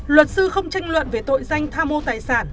luật sư không tranh luận về tội danh tham mô tài sản